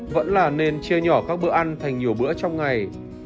vẫn là nên chia nhỏ các bữa ăn thành nhiều bữa trong ngày